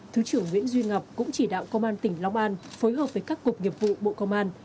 thứ trưởng nguyễn duy ngọc cũng chỉ đạo công an tỉnh long an phối hợp với các cục nghiệp vụ bộ công an